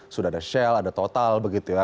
sudah ada shell ada total begitu ya